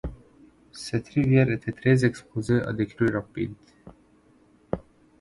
Cette rivière était très exposée à des crues rapides.